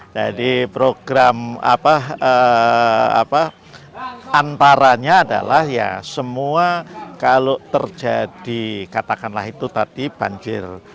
jadi program antaranya adalah ya semua kalau terjadi katakanlah itu tadi banjir